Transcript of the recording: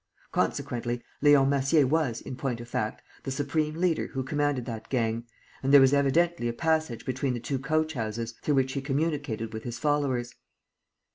Consequently, Leon Massier was, in point of fact, the supreme leader who commanded that gang; and there was evidently a passage between the two coach houses through which he communicated with his followers.